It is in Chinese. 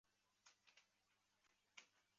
伊四零型潜艇是大日本帝国海军的潜舰型号。